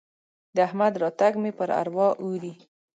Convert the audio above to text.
د احمد راتګ مې پر اروا اوري.